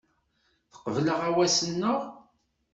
Teqbel aɣawas-nneɣ.